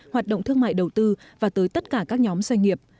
hoạt động thương mại đầu tư và tới tất cả các nhóm doanh nghiệp